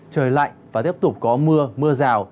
trời lạnh và tiếp tục có mưa mưa rào